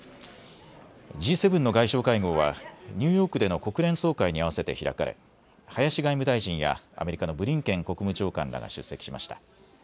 Ｇ７の外相会合はニューヨークでの国連総会に合わせて開かれ林外務大臣やアメリカのブリンケン国務長官らが出席しました。